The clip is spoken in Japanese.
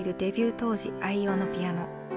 当時愛用のピアノ。